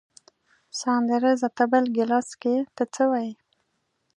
ساندرزه ته بل ګیلاس څښې، ته څه وایې؟